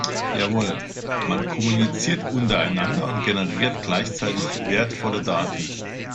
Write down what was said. Jawohl, man kommuniziert untereinander und generiert gleichzeitig wertvolle Daten.